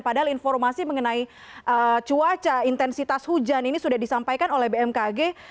padahal informasi mengenai cuaca intensitas hujan ini sudah disampaikan oleh bmkg